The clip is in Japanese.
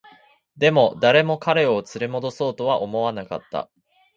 でも、誰も彼を連れ戻そうとは思わなかった